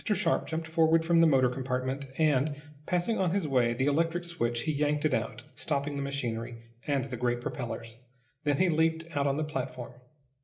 Sharp jumped forward from the motor compartment, and, passing on his way the electric switch, he yanked it out, stopping the machinery, and the great propellers. Then he leaped out on the platform.